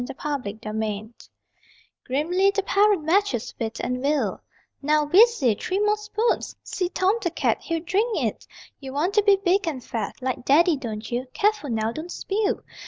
THE HIGH CHAIR Grimly the parent matches wit and will: Now, Weesy, three more spoons! See Tom the cat, He'd drink it. You want to be big and fat Like Daddy, don't you? (Careful now, don't spill!)